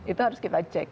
itu harus kita cek